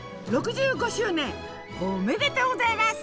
６５周年おっめでとうございます！